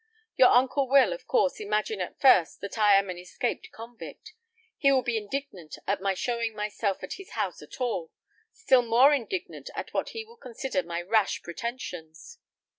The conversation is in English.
Your uncle will, of course, imagine at first than I am an escaped convict. He will be indignant at my showing myself in his house at all, still more indignant at what he will consider my rash pretensions.